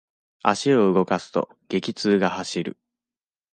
足を動かすと、激痛が走る。